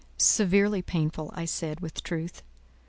"Severely painful," I said, with truth.